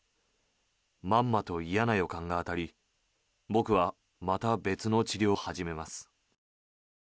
まんまと嫌な予感が当たり僕はまた別の治療を始めます。